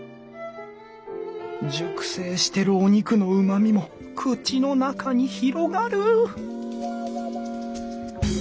熟成してるお肉のうまみも口の中に広がる！